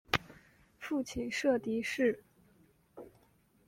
父亲厍狄峙。